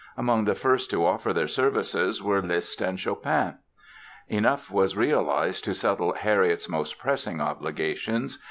Among the first to offer their services were Liszt and Chopin. Enough was realized to settle "Harriet's" most pressing obligations.